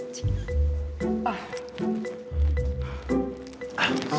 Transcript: จริง